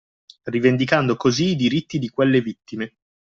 Rivendicando così i diritti di quelle vittime